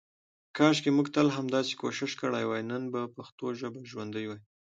کاشکې مونږ تل همداسې کوشش کړی وای نن به پښتو ژابه ژوندی وی.